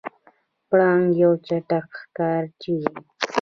پړانګ یو چټک ښکارچی دی.